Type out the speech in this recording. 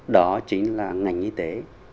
đó chính là ngành y tế